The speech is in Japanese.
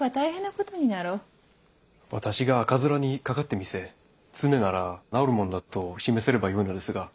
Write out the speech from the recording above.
私が赤面にかかって見せ常なら治るものだと示せればよいのですが。